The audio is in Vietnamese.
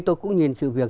tôi cũng nhìn sự việc